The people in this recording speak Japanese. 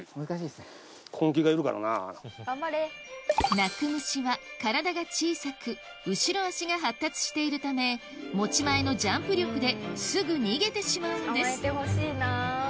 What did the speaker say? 鳴く虫は体が小さく後ろ足が発達しているため持ち前のジャンプ力ですぐ逃げてしまうんです捕まえてほしいなぁ。